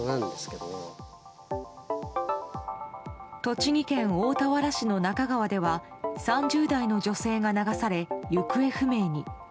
栃木県大田原市の那珂川では３０代の女性が流され行方不明に。